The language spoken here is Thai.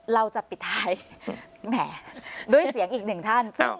เราจะปิดท้ายแหมด้วยเสียงอีกหนึ่งท่าน